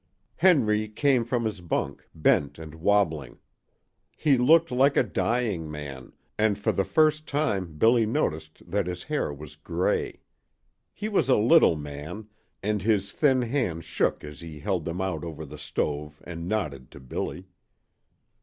Henry came from his bunk, bent and wabbling. He looked like a dying man, and for the first time Billy noticed that his hair was gray. He was a little man, and his thin hands shook as he held them out over the stove and nodded to Billy.